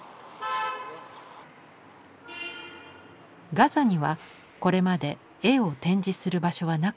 ガザにはこれまで絵を展示する場所はなかった。